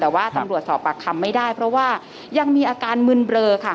แต่ว่าตำรวจสอบปากคำไม่ได้เพราะว่ายังมีอาการมึนเบลอค่ะ